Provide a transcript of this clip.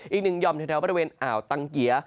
อีกหนึ่งห่อมแถวบริเวณอ่าวตังเกีย